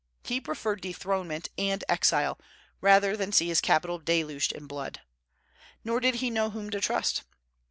He preferred dethronement and exile rather than see his capital deluged in blood. Nor did he know whom to trust.